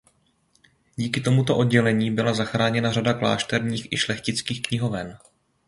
Díky tomuto oddělení byla zachráněna řada klášterních i šlechtických knihoven.